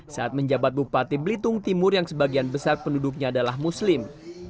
saat menjabat bupati belitung timur yang sebagian besar penduduknya adalah muslim